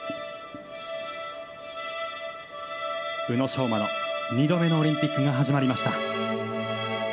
宇野昌磨の２度目のオリンピックが始まりました。